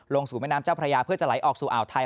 สู่แม่น้ำเจ้าพระยาเพื่อจะไหลออกสู่อ่าวไทย